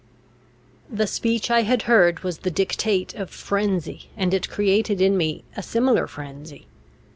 The speech I had heard was the dictate of frenzy, and it created in me a similar frenzy.